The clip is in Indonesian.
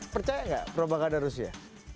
percaya gak propaganda rusia